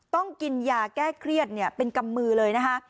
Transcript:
ต้องกินยาแก้เครียดเป็นกำมือเลยนะคะ